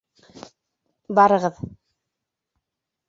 — Барығыҙ.